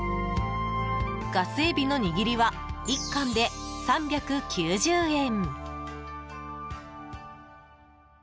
がすえびの握りは１貫で３９０円。